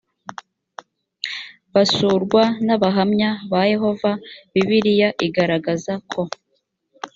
basurwa n abahamya ba yehova bibiliya igaragaza ko